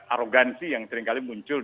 arogansi yang seringkali muncul